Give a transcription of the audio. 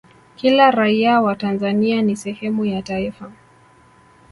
kila raia wa tanzania ni sehemu ya taifa